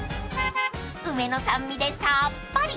［梅の酸味でさっぱり！